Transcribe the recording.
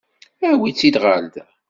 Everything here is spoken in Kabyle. Awi-tt-id ɣer da.